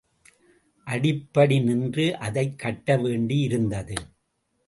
அடிப்படி நின்று அதைக் கட்டவேண்டியிருந்தது.